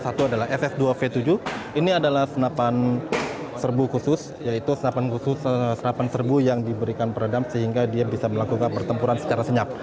satu adalah ss dua v tujuh ini adalah senapan serbu khusus yaitu serapan serbu yang diberikan peredam sehingga dia bisa melakukan pertempuran secara senyap